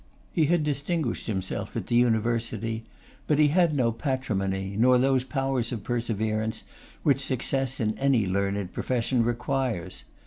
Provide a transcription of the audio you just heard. He had distinguished himself at the University; but he had no patrimony, nor those powers of perseverance which success in any learned profession requires.